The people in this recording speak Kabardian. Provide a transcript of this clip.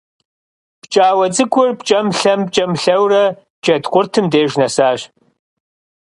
ПкӀауэ цӀыкӀур пкӀэм-лъэм, пкӀэм-лъэурэ Джэд къуртым деж нэсащ.